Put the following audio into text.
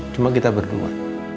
cuma kita berdua